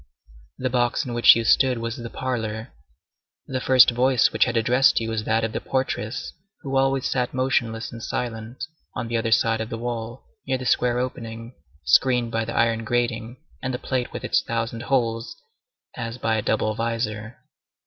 The box in which you stood was the parlor. The first voice which had addressed you was that of the portress who always sat motionless and silent, on the other side of the wall, near the square opening, screened by the iron grating and the plate with its thousand holes, as by a double visor.